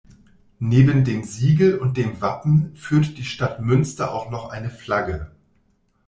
Neben dem Siegel und dem Wappen führt die Stadt Münster auch noch eine Flagge.